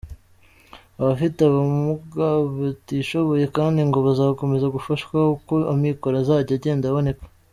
Abafite ubumuga batishoboye kandi ngo bazakomeza gufashwa uko amikoro azajya agenda aboneka.